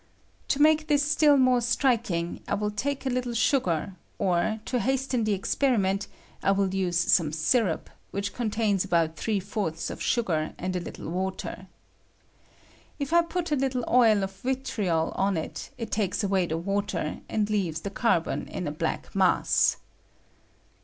To make this still more strik ing, I will take a littie sugar; or, to hasten the experiment, I will use some sirup, which contains about three fourths of sugar and a little water. If I put a little oil of vitriol on it, it takes away the water, and leaves the car bon in a black mass.